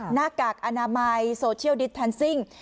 หน้ากากอนามัยโซเชียลดิสแทนซิ่ง